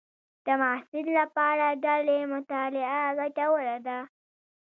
د محصل لپاره ډلې مطالعه ګټوره ده.